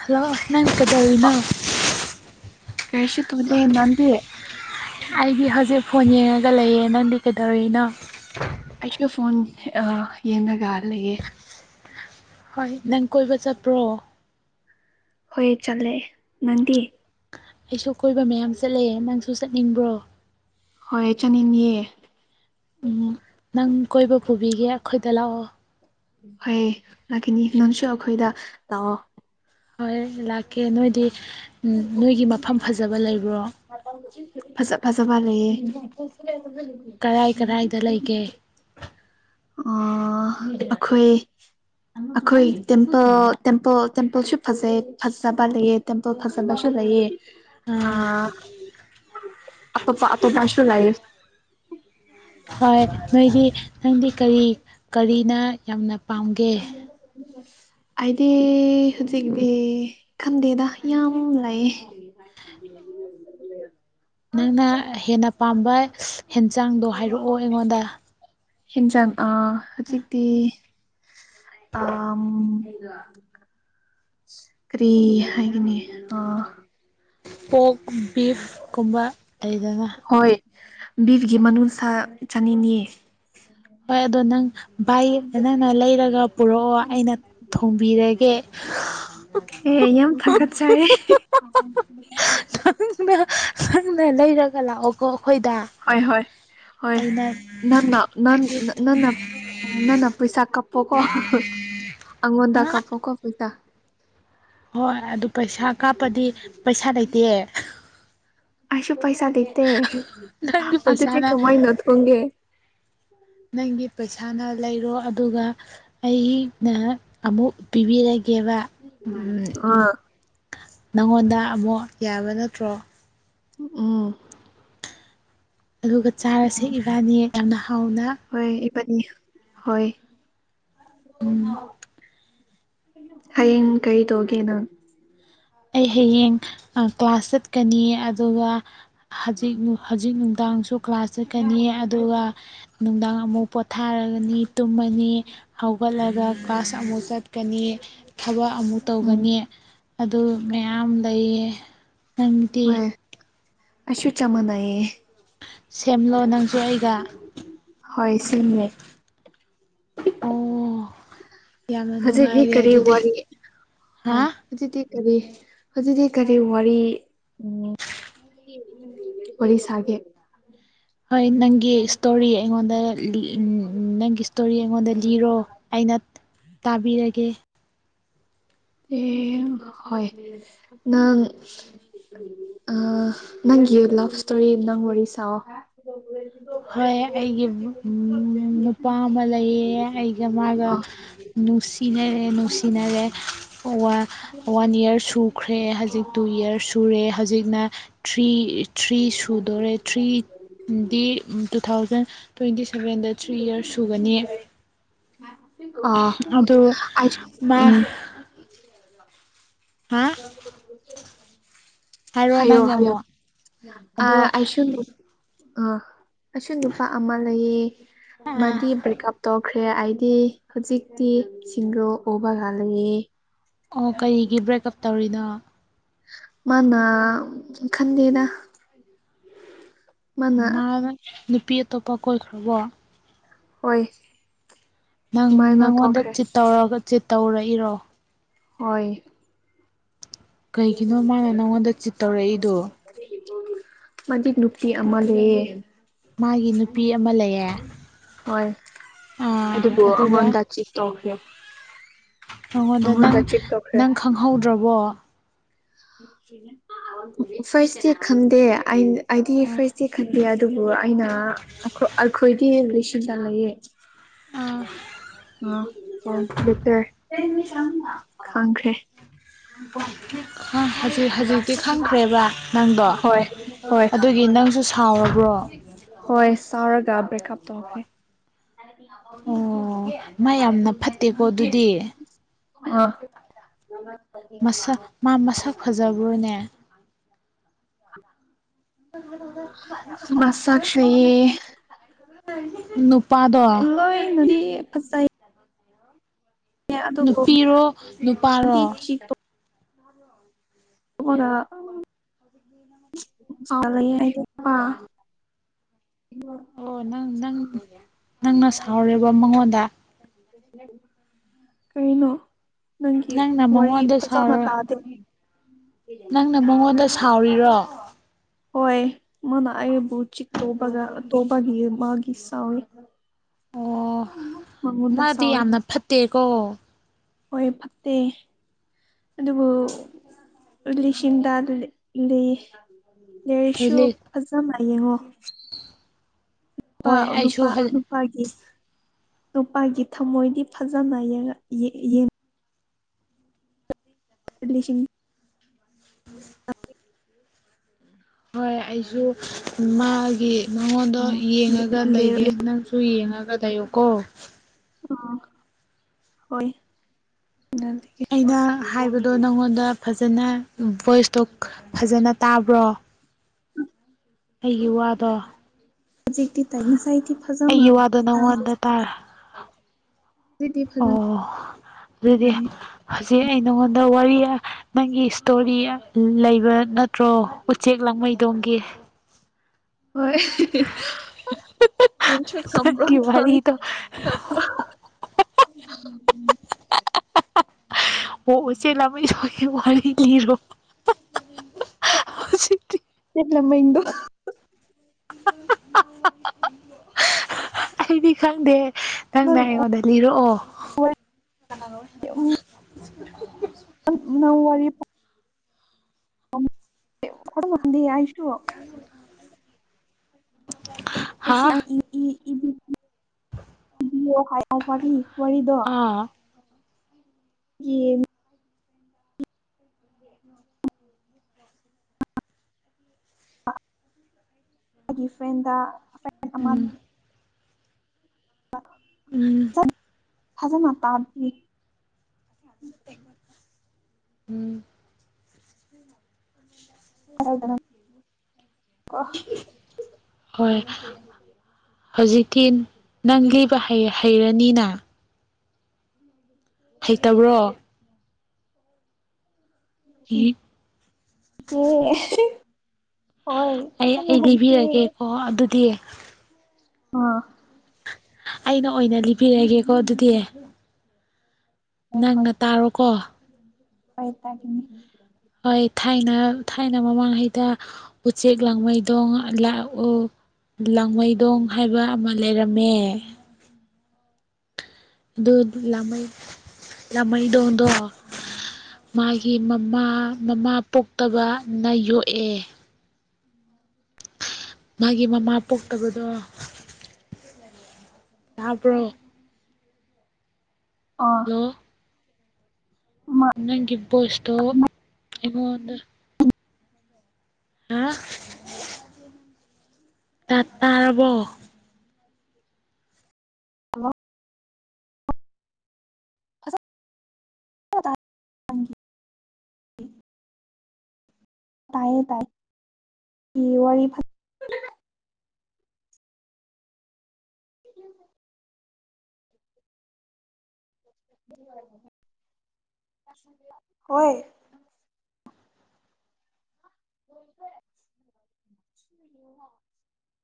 Hello ꯅꯪ ꯀꯩꯗꯧꯔꯤꯅꯣ ꯀꯩꯁꯨ ꯇꯧꯗꯦ ꯏꯃꯥꯟꯕꯤ ꯑꯩꯗꯤ ꯍꯧꯖꯤꯛ ꯐꯣꯟ ꯌꯦꯡꯉꯒ ꯂꯩꯌꯦ ꯅꯪꯗꯤ ꯀꯩꯗꯧꯔꯤꯅꯣ ꯑꯩꯁꯨ ꯐꯣꯟ ꯌꯦꯡꯉꯒ ꯂꯩꯌꯦꯦ ꯍꯣꯏ ꯅꯪ ꯀꯣꯏꯕ ꯆꯠꯄ꯭ꯔꯣ ꯍꯣꯏ ꯆꯠꯂꯦ ꯅꯪꯗꯤ ꯑꯩꯁꯨ ꯀꯣꯏꯕ ꯃꯌꯥꯝ ꯆꯠꯂꯦ ꯅꯪꯁꯨ ꯆꯠꯅꯤꯡꯕ꯭ꯔꯣ ꯍꯣꯏ ꯆꯥꯅꯤꯡꯑꯦ ꯎꯝ ꯅꯪ ꯀꯣꯏꯕ ꯄꯨꯕꯤꯒꯦ ꯑꯩꯈꯣꯏ ꯇꯜꯂꯣ ꯍꯣꯏꯌꯦ ꯂꯥꯛꯈꯤꯅꯤ ꯅꯪꯁꯨ ꯑꯈꯣꯏꯗ ꯂꯥꯛꯑꯣ ꯍꯣꯔꯦꯟ ꯂꯥꯛꯀꯦ ꯅꯣꯏꯗꯤ ꯎꯝ ꯅꯣꯏꯒꯤ ꯃꯐꯝ ꯐꯖꯕ ꯂꯩꯕ꯭ꯔꯣ ꯐꯖ ꯐꯖꯕ ꯂꯩꯌꯦ ꯀꯔꯥꯏ ꯀꯔꯥꯏꯗ ꯂꯩꯒꯦ ꯑꯥ ꯑꯈꯣꯏ ꯑꯈꯣꯏꯒꯤ ꯇꯦꯝꯄꯜ ꯇꯦꯝꯄꯜ ꯇꯦꯝꯄꯜꯁꯨ ꯐꯖꯩ ꯐꯖꯕ ꯂꯩꯌꯦ ꯇꯦꯝꯄꯜ ꯐꯖꯕꯁꯨ ꯂꯩꯌꯦ ꯑꯥ ꯑꯇꯣꯞꯄ ꯑꯇꯣꯞꯄꯁꯨ ꯂꯩꯌꯦ ꯍꯣꯏ ꯅꯣꯏꯒꯤ ꯅꯪꯗꯤ ꯀꯔꯤ ꯀꯔꯤ ꯑꯩꯅ ꯌꯥꯝꯅ ꯄꯥꯝꯒꯦ [unintelligible] ꯑꯩꯗꯤ ꯍꯨꯖꯤꯛꯇꯤ ꯈꯪꯗꯦꯗ ꯌꯥꯝ ꯂꯩꯌꯦ [unintelligible] ꯅꯪꯅ ꯍꯦꯟꯅ ꯄꯥꯝꯕ ꯍꯦꯟ ꯆꯥꯡꯗꯣ ꯍꯥꯏꯔꯛꯑꯣ ꯑꯩꯉꯣꯟꯗ ꯍꯤꯟꯖꯡ ꯑꯥ ꯍꯨꯖꯤꯛꯇꯤ ꯑꯥꯝ ꯀꯔꯤ ꯍꯥꯏꯒꯅꯤ ꯑꯥ ꯇꯣꯡ ꯎꯝ ꯕꯤꯐ ꯀꯨꯝꯕ ꯂꯩꯗꯅ ꯍꯣꯏ ꯕꯤꯐꯒꯤ ꯃꯅꯨꯡ ꯁꯥ ꯆꯅꯤꯡꯉꯦ ꯍꯣꯏ ꯑꯗꯣ ꯅꯪ ꯚꯥꯏ ꯅꯪꯅ ꯂꯩꯔꯒ ꯄꯨꯔꯛꯑꯣ ꯑꯩꯅ ꯊꯣꯡꯕꯤꯔꯒꯦ ꯑꯦ ꯌꯥꯝ ꯊꯥꯒꯠꯆꯔꯦ ꯅꯪꯅ ꯊꯟꯅ ꯂꯩꯔꯒ ꯂꯥꯛꯑꯣꯀꯣ ꯑꯩꯈꯣꯏꯗ ꯍꯣꯏ ꯍꯣꯏ ꯍꯣꯏ ꯑꯩꯅ ꯅꯪꯅ ꯅꯪ ꯅ ꯅꯪꯅ ꯅꯪꯅ ꯄꯩꯁꯥ ꯀꯥꯞꯄꯣ ꯀꯣ ꯑꯉꯣꯟꯗ ꯀꯥꯞꯄꯣ ꯀꯣ ꯄꯩꯁꯥ ꯍꯣꯏ ꯑꯗꯨ ꯄꯩꯁꯥ ꯀꯥꯞꯄꯗꯤ ꯄꯩꯁꯥ ꯂꯩꯇꯤꯌꯦ ꯑꯩꯁꯨ ꯄꯩꯁꯥ ꯂꯩꯇꯦ ꯅꯪꯒꯤ ꯑꯗꯨꯗꯤ ꯄꯩꯁꯥꯅ ꯀꯃꯥꯏꯅ ꯊꯣꯡꯒꯦ ꯅꯪꯒꯤ ꯄꯩꯁꯥꯅ ꯂꯩꯔꯣ ꯑꯗꯨꯒ ꯑꯩ ꯅ ꯑꯃꯨꯛ ꯄꯤꯕꯤꯔ ꯀꯦꯕ ꯑꯥ ꯅꯪꯉꯣꯟꯗ ꯑꯃꯨꯛ ꯌꯥꯕ ꯅꯠꯇ꯭ꯔꯣ ꯎꯝ ꯑꯗꯨꯒ ꯆꯥꯔ ꯁꯦꯦꯛꯏꯕꯥꯅꯤ ꯑꯦꯩꯅ ꯍꯧꯥꯎꯅꯥ ꯅꯤ ꯍꯣꯏ [unintelligible] ꯍꯌꯦꯡ ꯀꯩ ꯇꯒꯦꯅ ꯑꯩ ꯍꯌꯦꯡ ꯀ꯭ꯂꯥꯁ ꯆꯠꯀꯅꯤ ꯑꯗꯨꯒ ꯍꯧꯖꯤꯛ ꯍꯧꯖꯤꯛ ꯅꯨꯡꯗꯥꯡꯁꯨ ꯀ꯭ꯂꯥꯁ ꯆꯠꯀꯅꯤꯌꯦ ꯑꯗꯨꯒ ꯅꯨꯡꯗꯥꯡ ꯑꯃꯛ ꯄꯣꯊꯥꯔꯒꯅꯤ ꯇꯨꯝꯃꯅꯤ ꯍꯧꯒꯠꯂꯒ ꯀ꯭ꯂꯥꯁ ꯑꯃꯨꯛ ꯆꯠꯀꯅꯤ ꯊꯕꯛ ꯑꯃꯨꯛ ꯎꯝ ꯇꯧꯒꯅꯤ ꯑꯗꯨ ꯃꯌꯥꯝ ꯂꯩꯌꯦ ꯑꯃꯗꯤꯪꯗꯤ ꯑꯁꯁꯨ ꯆꯃꯅꯥꯏꯌꯦ ꯁꯦꯝꯂꯣ ꯅꯪꯁꯨ ꯑꯩꯒ ꯍꯣꯏ ꯁꯦꯝꯃꯦ ꯑꯣ ꯌꯥꯝꯅ ꯍꯧꯖꯤꯗꯤ ꯅꯨꯡꯉꯥꯏꯔꯦ ꯀꯔꯤ ꯋꯥ ꯑꯗꯨꯗꯤ ꯍꯣꯏ ꯍꯥ ꯍꯧꯖꯤꯗꯤ ꯀꯔꯤ ꯍꯧꯖꯤꯗꯤ ꯀꯔꯤ ꯋꯥꯔꯤ ꯎ ꯋꯥꯔꯤ ꯁꯥꯒꯦ ꯍꯣꯏ ꯅꯪꯒꯤ ꯏꯁꯇꯣꯔꯤ ꯑꯩꯉꯣꯟꯗ ꯎꯝ ꯊꯦꯡꯨ ꯏꯁꯇꯣꯔꯤ ꯑꯩꯉꯣꯟꯗ ꯂꯤꯔꯣ ꯑꯩꯅ ꯇꯥꯕꯤꯔꯒꯦ ꯑꯦ ꯍꯣꯏ ꯅꯪ ꯅꯪꯒꯤ ꯂꯚ ꯏꯁꯇꯣꯔꯤ ꯅꯪ ꯋꯥꯔꯤ ꯁꯥ ꯍꯣꯏ ꯑꯩꯒꯤꯕꯨ ꯅꯨꯄꯥ ꯑꯃ ꯂꯩꯌꯦ ꯑꯩꯒ ꯃꯥꯒ ꯅꯨꯡꯁꯤꯅꯔꯦ ꯅꯨꯡꯁꯤꯅꯔꯦ ꯋꯥꯟ ꯏꯌꯥꯔꯁꯨ ꯁꯨꯈ꯭ꯔꯦ ꯍꯧꯖꯤꯛ ꯇꯨ ꯌꯔꯁ ꯁꯨꯔꯦ ꯍꯧꯖꯤꯛꯅ ꯊ꯭ꯔꯤ ꯊ꯭ꯔꯤ ꯁꯨꯗꯣꯔꯦ ꯊ꯭ꯔꯤꯗꯤ ꯇꯨ ꯊꯥꯎꯖꯟ ꯇ꯭ꯋꯦꯟꯇꯤ ꯁꯚꯦꯟꯗ ꯊ꯭ꯔꯤ ꯏꯌꯥꯔꯁ ꯁꯨꯒꯅꯤ ꯑ ꯑꯗꯨ ꯑ ꯃꯥ ꯎꯝ ꯑ ꯍꯥꯏꯔ ꯋꯥꯅꯃꯣ ꯑ ꯑꯁꯨ ꯑ ꯑꯁꯨ ꯅꯨꯄꯥ ꯑꯃ ꯂꯩꯌꯦ ꯃꯥꯗꯤ ꯕ꯭ꯔꯦꯛꯀꯑꯞꯇꯣ ꯎꯈ꯭ꯔꯦ ꯑꯩꯗꯤ ꯍꯧꯖꯤꯛꯇꯤ ꯁꯤꯡꯗꯣ ꯎꯕ ꯉ ꯂꯩꯌꯦ ꯑꯣ ꯀꯔꯤꯒꯤ ꯕ꯭ꯔꯦꯛ ꯑꯞ ꯇꯧꯔꯤꯅꯣ ꯃꯥꯅ ꯈꯟꯗꯦꯗ ꯃꯥꯅ ꯃꯥꯒ ꯅꯨꯄꯤ ꯑꯇꯣꯞꯄ ꯀꯣꯏꯈ꯭ꯔꯕꯣ ꯍꯣꯏ ꯅꯪ ꯁꯨꯃꯥꯏꯅ ꯅꯪꯉꯣꯟꯗ ꯊꯣꯛꯈ꯭ꯔꯦ ꯆꯤꯠ ꯇꯧꯔꯒ ꯇꯧꯔꯛꯏꯔꯣ ꯍꯣꯏ ꯀꯩꯒꯤꯅꯣ ꯃꯥꯅ ꯅꯪꯉꯣꯟꯗ ꯆꯤꯠ ꯇꯧꯔꯛꯏꯗꯣ ꯃꯛ ꯅꯨꯄꯤ ꯑꯃ ꯂꯩꯌꯦ ꯃꯥꯒꯤ ꯅꯨꯄꯤ ꯑꯃ ꯂꯩꯌꯦ ꯍꯣꯏ ꯑꯥ ꯑꯗꯨꯕꯨ ꯑꯩꯉꯣꯟꯗ ꯆꯤꯠ ꯇꯧꯈ꯭ꯔꯦ ꯅꯉꯣꯟꯗ ꯅꯪ ꯑꯩꯉꯣꯟꯗ ꯆꯤꯠ ꯇꯧꯈ꯭ꯔꯦ ꯅꯪ ꯈꯪꯍꯧꯗ꯭ꯔꯕꯣ ꯐꯥꯔꯁ ꯗꯦ ꯈꯪꯗꯦ ꯑꯩꯅ ꯑꯥꯢ ꯗꯤ ꯐꯔꯦꯁ ꯇꯤ ꯈꯟꯕ ꯌꯥꯗꯦ ꯑꯗꯨꯕꯨ ꯑꯩꯅ ꯑꯩꯈꯣꯏꯗꯤ ꯔꯤꯂꯁꯟꯂꯌꯦ ꯑꯥ ꯑꯦꯇꯔ ꯈꯪꯈ꯭ꯔꯦ ꯍꯧꯖꯤꯛ ꯍꯧꯖꯤꯛꯇꯤ ꯈꯪꯈ꯭ꯔꯦꯕ ꯅꯪꯗꯣ ꯍꯣꯏ ꯍꯣꯏ ꯑꯗꯨꯒꯤ ꯅꯪꯁꯨ ꯁꯥꯎꯔꯕ꯭ꯔꯣ ꯍꯣꯏ [unintelligible] ꯑꯣ ꯃꯥ ꯌꯥꯝꯅ ꯐꯠꯇꯦꯀꯣ ꯑꯗꯨꯗꯤ ꯑ ꯃꯥ ꯃꯁꯛ [unintelligible] ꯃꯥ ꯃꯁꯛ ꯐꯖꯕ꯭ꯔꯣ ꯅꯦ ꯃꯁꯛꯁꯦ [unintelligible] ꯅꯣꯛ [unintelligible] ꯐꯖꯩ ꯑꯗꯨꯕꯨ ꯅꯨꯄꯤꯔꯣ ꯃꯥꯗꯤ ꯅꯨꯄꯥꯔꯣ [unintelligible] ꯑꯣ ꯅꯪ ꯅꯪ ꯅꯪꯅ ꯁꯥꯎꯔꯦꯕ ꯃꯉꯣꯟꯗ ꯀꯩꯅꯣ ꯅꯪꯅ ꯃꯉꯣꯟꯗ ꯁꯥꯥꯎꯔꯥ ꯇꯥꯗꯦ ꯅꯪꯅ ꯃꯉꯣꯟꯗ ꯁꯥꯎꯔꯤꯔꯣ ꯍꯣꯏ ꯃꯅꯥꯑꯕꯨ ꯆ ꯇꯣꯕꯒ ꯇꯣꯕꯅꯤ ꯃꯥꯒꯤ ꯑꯦꯁ꯭ꯋꯦ꯫ ꯑꯣꯍ ꯃꯥ ꯗꯤ ꯌꯥꯃꯅꯥ ꯐꯠꯇꯦ꯫ ꯀꯣ ꯍꯣꯏ ꯐꯠꯇꯦ ꯑꯗꯨꯕꯨ ꯂꯤꯁꯤꯡꯟꯗ ꯂꯩ ꯍꯣꯏ [inaudible] ꯌꯦꯉ꯭ꯒꯣ꯫ [unintelligible] ꯍꯣꯏ ꯅꯨꯄꯥ ꯑꯩꯁꯨ ꯅꯨꯄꯥ ꯅꯨꯄꯥꯒꯤ ꯅꯨꯄꯥꯒꯤ ꯊꯝꯃꯣꯏꯗꯤ ꯐꯖꯅ ꯌꯦ ꯂꯤꯁꯤꯡ ꯇꯧꯕꯥ꯫ [unintelligible] ꯍꯣꯏ ꯏꯁꯨ ꯃꯥꯒꯤ꯫ ꯅꯉꯣꯟꯗꯣ ꯌꯦꯡꯉꯒ ꯂꯩꯒꯦ ꯅꯪꯁꯨ ꯌꯦꯡꯉꯒ ꯂꯩꯌꯣ ꯀꯣ ꯎ ꯍꯣꯏ ꯑꯩꯗ ꯍꯥꯏꯕꯗꯣ ꯅꯪꯉꯣꯟꯗ ꯐꯖꯅ ꯚꯣꯏꯁꯇꯣ ꯐꯖꯅ ꯇꯥꯕ꯭ꯔꯣ ꯑꯩꯒꯤ ꯋꯥꯗꯣ ꯍꯧꯖꯤꯛꯇꯤ ꯇꯥꯏ ꯉꯁꯥꯏꯒꯤ ꯑꯩꯒꯤ ꯋꯥꯗꯣ ꯐꯖꯃꯥꯗ ꯅꯪꯉꯣꯟꯗ ꯇꯥꯔ ꯑꯣ ꯑꯗꯨꯗꯤ ꯇꯥꯏꯌꯦ ꯁꯤ ꯑꯩ ꯅꯉꯣꯟꯗ ꯋꯥꯔꯤ ꯅꯪꯒꯤ ꯏꯁꯇꯣꯔꯤ ꯂꯩꯕ ꯅꯠꯇ꯭ꯔꯣ ꯎꯆꯦꯛ ꯂꯥꯡꯃꯩꯗꯣꯡꯝꯒꯤ ꯍꯣꯏ ꯃꯁꯨ ꯈꯝꯕ ꯅꯪꯒꯤ ꯊ ꯋꯥꯔꯤꯗꯣ ꯑꯣ ꯎꯆ ꯎꯆꯦ ꯂꯝꯃ ꯁꯦ ꯋꯥꯔꯤꯔꯣ ꯂꯝꯃ ꯏꯗ ꯑꯩꯗꯤ ꯈꯪꯗꯦ ꯅꯪꯅ ꯅꯪ ꯑꯩꯉꯣꯟꯗ ꯂꯤꯔꯛꯑꯣ ꯋꯥꯗꯤ ꯌꯥ ꯇ ꯍꯥ ꯁꯂꯥꯡ ꯏ ꯍꯥꯏ ꯋꯥꯔꯤ ꯋꯥꯔꯤꯗꯣ ꯑꯥ ꯌꯦ ꯃꯥꯒꯤ ꯐ꯭ꯔꯦꯟꯗ ꯐ꯭ꯔꯦꯟ ꯎꯝ ꯎꯝ ꯆꯠ ꯐꯖꯅ ꯇꯥꯕꯤ ꯎꯝ [unintelligible] [unintelligible] ꯀꯣ ꯍꯣꯏ ꯍꯧꯖꯤꯛꯇꯤ ꯅꯪ ꯂꯤꯕ ꯍꯩꯔꯅꯤꯅ ꯍꯩꯇꯕ꯭ꯔꯣ ꯏ [unintelligible] ꯍꯣꯏ ꯑꯩ ꯐꯖꯅ ꯑꯩ ꯍꯩꯇꯦ ꯂꯤꯕꯤꯔꯒꯦꯀꯣ ꯑꯗꯨꯗꯤ ꯑꯥ ꯑꯩꯅ ꯑꯣꯏꯅ ꯂꯤꯕꯤꯔꯒꯦꯀꯣ ꯑꯗꯨꯗꯤ ꯍꯣꯏ ꯍꯣꯏ ꯅꯪꯅ ꯇꯥꯔꯣꯀꯣ ꯍꯣꯏ ꯇꯒꯤꯅꯤ ꯍꯣꯏ ꯊꯥꯏꯅ ꯊꯥꯏꯅ ꯃꯃꯥꯡꯉꯩꯗ ꯎꯆꯦꯛ ꯂꯥꯡꯃꯩꯗꯣꯡ ꯂꯥꯡꯃꯩꯗꯣꯡ ꯍꯥꯏꯕ ꯑꯃ ꯂꯩꯔꯝꯃꯦ ꯑꯗꯨ ꯂꯥꯃꯩ ꯂꯥꯃꯩꯗꯣꯡꯗꯣ ꯃꯥꯒꯤ ꯃꯃꯥ ꯃꯃꯥ ꯄꯣꯛꯇꯕꯅ ꯌꯣꯛꯑꯦ ꯃꯥꯒꯤ ꯃꯃꯥ ꯄꯣꯛꯇꯕꯗꯣ ꯇꯕ꯭ꯔꯣ ꯑꯥ ꯅꯪꯒꯤ ꯒꯤꯕꯣꯁꯇꯣ ꯏꯉꯣꯟꯗ ꯑꯥ ꯇꯥ ꯇꯥꯔꯔꯕꯣ [inaudible] ꯇꯥꯏꯌꯦꯦ ꯇꯥꯏ ꯏ ꯋꯥꯔꯤ ꯐ [inaudible] ꯍꯣꯏ [inaudible]